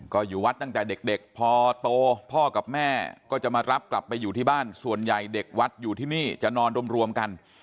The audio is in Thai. ก็อยู่วัดตั้งแต่เด็กพอโตพ่อกับแม่ก็จะมารับกลับไปอยู่ที่บ้านส่วนใหญ่เด็กวัดอยู่ที่นี่จะนอนรวมกัน